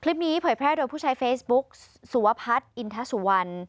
คลิปนี้เผยแพร่โดยผู้ชายเฟซบุ๊กสุวพัฒน์อินทาสุวรรณ